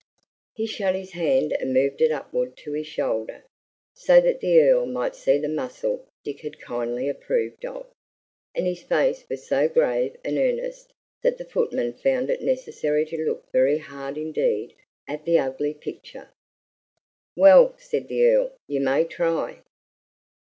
He shut his hand and moved it upward to his shoulder, so that the Earl might see the muscle Dick had kindly approved of, and his face was so grave and earnest that the footman found it necessary to look very hard indeed at the ugly picture. "Well," said the Earl, "you may try."